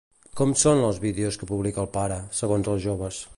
Com són els vídeos que publica el pare, segons els joves?